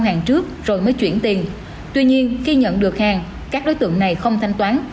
hàng trước rồi mới chuyển tiền tuy nhiên khi nhận được hàng các đối tượng này không thanh toán